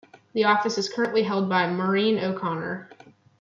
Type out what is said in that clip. The office is currently held by Maureen O'Connor.